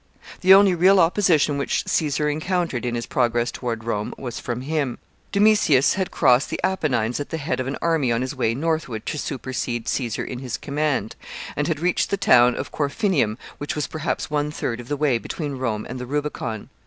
The only real opposition which Caesar encountered in his progress toward Rome was from him. Domitius had crossed the Apennines at the head of an army on his way northward to supersede Caesar in his command, and had reached the town of Corfinium, which was perhaps one third of the way between Rome and the Rubicon.